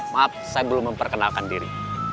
maaf saya belum memperkenalkan diri